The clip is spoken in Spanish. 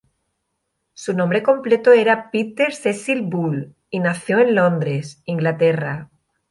Su nombre completo era Peter Cecil Bull, y nació en Londres, Inglaterra.